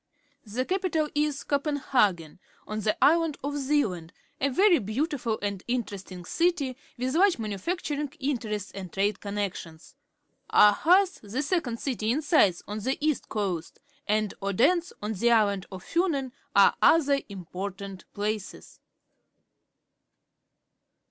— The capital is Copen hagen, on the island of Zealand, a very beautiful and interesting city, with large manufacturing interests and trade connec tions. Aarhus, the second city in size, on the east coast, and Odense, on the island of Fiinen, are other important places.